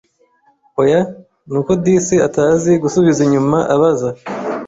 oya nuko disi atazi gusubiza inyuma abaza